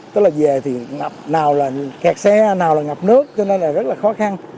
tức là về thì kẹt xe nào là ngập nước cho nên là rất là khó khăn